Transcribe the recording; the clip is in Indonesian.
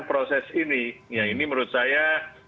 proses ini ya ini menurut saya